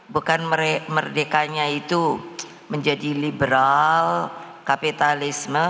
bukan merdekanya itu menjadi liberal kapitalisme